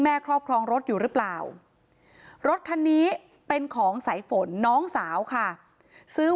ครอบครองรถอยู่หรือเปล่ารถคันนี้เป็นของสายฝนน้องสาวค่ะซื้อ